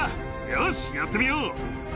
よし、やってみよう。